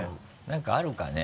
何かあるかね？